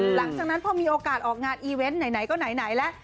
หลังจากนั้นพอมีโอกาสออกงานอีเวนต์ไหนก็ไหนแล้ว